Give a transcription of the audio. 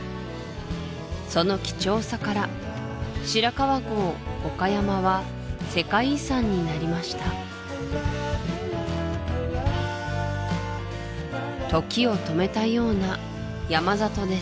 その貴重さから白川郷・五箇山は世界遺産になりました時を止めたような山里です